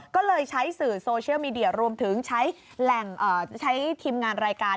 ก็เลยใช้สื่อโซเชียลมีเดียรวมถึงใช้แหล่งใช้ทีมงานรายการ